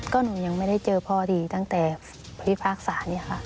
ก็หนูยังไม่ได้เจอพ่อดีตั้งแต่พิพากษาเนี่ยค่ะ